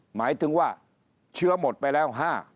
หมายถึงว่าเชื้อหมดไปแล้ว๕